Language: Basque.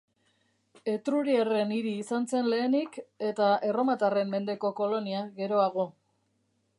Etruriarren hiri izan zen lehenik eta erromatarren mendeko kolonia geroago.